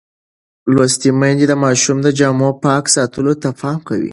لوستې میندې د ماشومانو د جامو پاک ساتلو ته پام کوي.